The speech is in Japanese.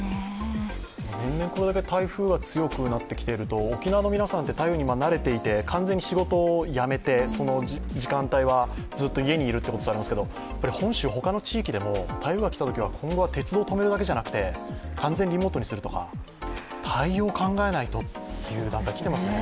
年々これだけ台風が強くなってきていると、沖縄の皆さんって台風に慣れていて完全に仕事をやめてその時間帯はずっと家にいるということをされていますけれども、本州、他の地域でも台風がきたときは今後は鉄道を止めるだけでなくて完全リモートにするとか対応を考えないとという段階にきてますよね。